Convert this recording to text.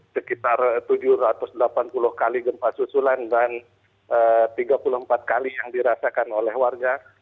sekitar tujuh ratus delapan puluh kali gempa susulan dan tiga puluh empat kali yang dirasakan oleh warga